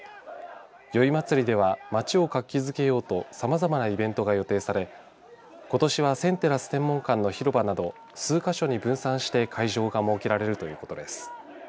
宵祭りでは、町を活気づけようとさまざまなイベントが予定され、ことしはセンテラス天文館の広場など数か所に分散して会場が設けられるということです。